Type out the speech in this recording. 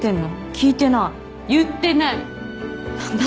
聞いてない言ってないなんだ